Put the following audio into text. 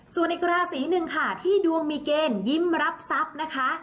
ส่วนอีกราศีหนึ่งค่ะที่ดวงมีเกณฑ์ยิ้มรับทรัพย์นะคะ